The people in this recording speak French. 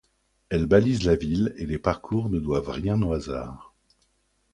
Elles balisent la ville et les parcours ne doivent rien au hasard.